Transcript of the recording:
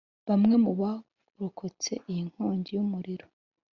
Bamwe mu barokotse iyi nkongi y’umuriro